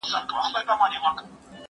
زه زده کړه کړي دي،